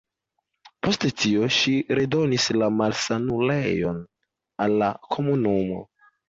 Post tio ŝi redonis la malsanulejon al la komunumo.